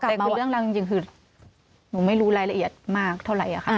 แต่คือเรื่องราวจริงคือหนูไม่รู้รายละเอียดมากเท่าไหร่ค่ะ